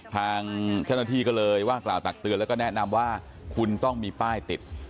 ทางเจ้าหน้าที่ก็เลยว่ากล่าวตักเตือนแล้วก็แนะนำว่าคุณต้องมีป้ายติด